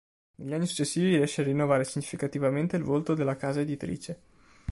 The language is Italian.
Negli anni successivi riesce a rinnovare significativamente il volto della casa editrice.